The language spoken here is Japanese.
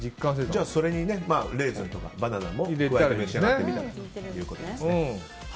じゃあそれにレーズンとかバナナも入れて召し上がってみたらということですね。